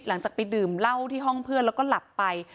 หลังจากไปดื่มเหล้าที่ห้องเพื่อนแล้วก็หลับไป